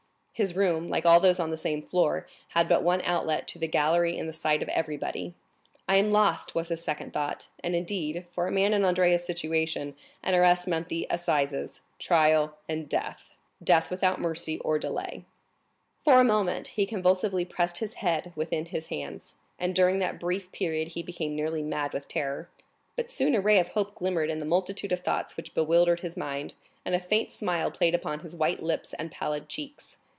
His room, like all those on the same floor, had but one outlet to the gallery in the sight of everybody. "I am lost!" was his second thought; and, indeed, for a man in Andrea's situation, an arrest meant the assizes, trial, and death,—death without mercy or delay. For a moment he convulsively pressed his head within his hands, and during that brief period he became nearly mad with terror; but soon a ray of hope glimmered in the multitude of thoughts which bewildered his mind, and a faint smile played upon his white lips and pallid cheeks.